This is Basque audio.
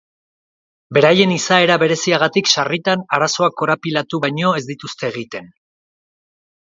Beraien izaera bereziagatik sarritan arazoak korapilatu baino ez dituzte egiten.